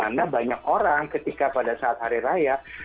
karena banyak orang ketika pada saat hari raya